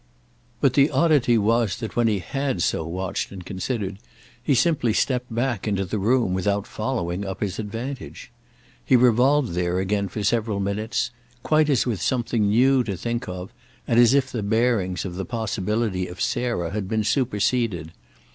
But the oddity was that when he had so watched and considered he simply stepped back into the room without following up his advantage. He revolved there again for several minutes, quite as with something new to think of and as if the bearings of the possibility of Sarah had been superseded.